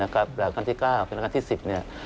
กับรักษณ์ที่๙และรักษณ์ที่๑๐